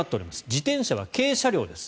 自転車は軽車両です。